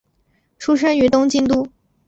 出身于东京都。